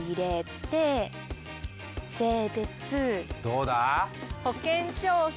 どうだ？